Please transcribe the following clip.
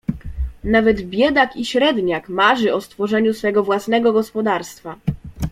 "Nawet biedak i średniak marzy o stworzeniu swego własnego gospodarstwa."